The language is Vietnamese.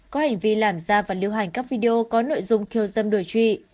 có hành vi làm ra và lưu hành các video có nội dung khiêu dâm đổi trụy